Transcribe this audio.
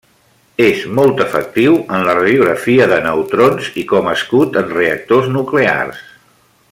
És molt efectiu en la radiografia de neutrons i com escut en reactors nuclears.